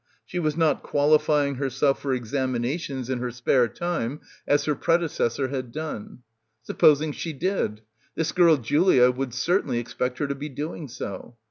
She was not qualifying herself for examinations in her spare — 162 — BACKWATER time as her predecessor had done. Supposing she did. This girl Julia would certainly expect her to be doing so.